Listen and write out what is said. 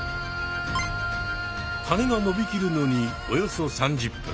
はねがのびきるのにおよそ３０分。